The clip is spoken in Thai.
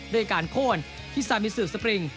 ด้วยการโค้นที่ซามิศึกสปริง